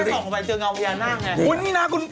ด้วยสิ่งสองของมันเจอกันมันก็เจอกับพญานาคไง